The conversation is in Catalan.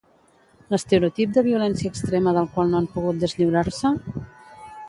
L'estereotip de violència extrema del qual no han pogut deslliurar-se?